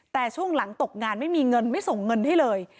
แต่ช่วงหลังตกงานไม่มีเงินไม่ส่งเงินให้เลย